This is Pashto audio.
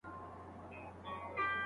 د لویدیځ تمدن ودې علوم له فلسفې جلا کړل.